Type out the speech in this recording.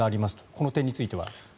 この点については。